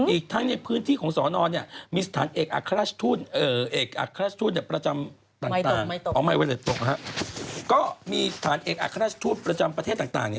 อีกทั้งในพื้นที่ของสนรุงพินีนั้นมีฐานเอกอัครราชทูตประจำประเทศต่าง